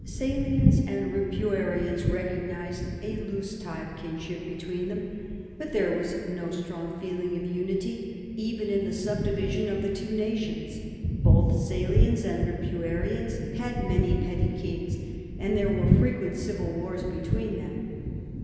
Salians and Ripuarians recognized a loose tie of kinship botwoon them, but there was no strong INTRODUCTION. 9 feeling of unity even in the subdivision of the two nations. Both Salians and Ripuarians had many petty kings, and there were frequent civil wars be tween them.